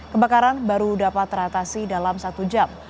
kebakaran baru dapat teratasi dalam satu jam